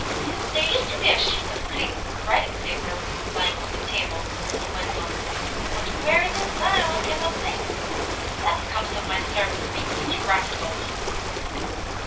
"There used to be a sheet of clean writing paper lying on the table," he went on. "But where it is now I cannot think. That comes of my servants being such rascals."